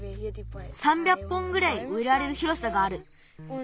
３００本ぐらいうえられるひろさがある。